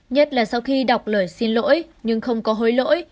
nhất là sau khi đọc lời xin lỗi nhưng không có hối lỗi